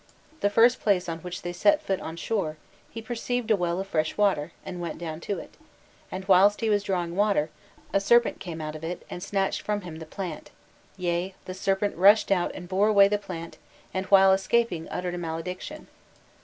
The first place on which they set foot on shore, "he perceived a well of fresh water, went down to it, and whilst he was drawing water, a serpent came out of it, and snatched from him the plant, yea the serpent rushed out and bore away the plant, and while escaping uttered a malediction.